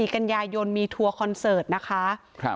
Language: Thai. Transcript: กันยายนมีทัวร์คอนเสิร์ตนะคะ